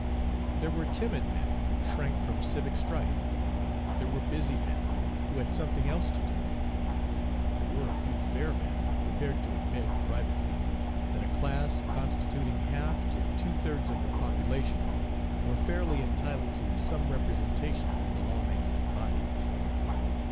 There were timid men who shrank from civic strife. There were busy men, who had something else to do. There were a few fair men, prepared to admit, privately, that a class constituting half to two thirds of the population were fairly entitled to some representation in the law making bodies.